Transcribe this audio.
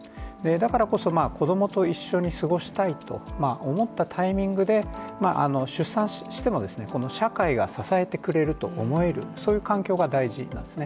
だからこそ、子供と一緒に過ごしたいと思ったタイミングで出産しても、社会が支えてくれると思える、そういう環境が大事なんですね。